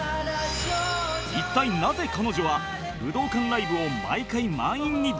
一体なぜ彼女は武道館ライブを毎回満員にできるのか？